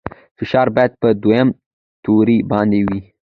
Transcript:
فشار باید په دویم توري باندې وي.